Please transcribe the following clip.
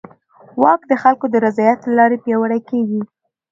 واک د خلکو د رضایت له لارې پیاوړی کېږي.